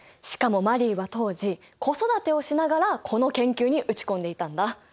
しかもマリーは当時子育てをしながらこの研究に打ち込んでいたんだ。